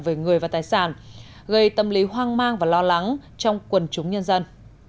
về người và tài sản gây tâm lý hoang mang và lo lắng trong quần chúng nhân dân